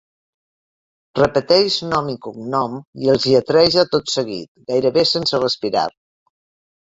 Repeteix nom i cognom i els lletreja tot seguit, gairebé sense respirar.